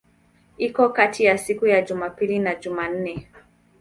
Iko kati ya siku za Jumapili na Jumanne.